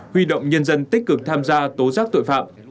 huy động nhân dân tích cực tham gia tố giác tội phạm